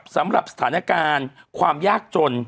สำหรับสถานการณ์ความยากจน